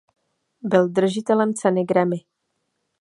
Byl držitelem ceny Grammy.